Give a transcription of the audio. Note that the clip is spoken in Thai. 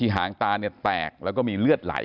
หางตาเนี่ยแตกแล้วก็มีเลือดไหล